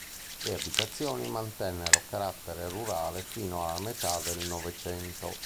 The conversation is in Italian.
Le abitazioni mantennero carattere rurale fino alla metà del Novecento.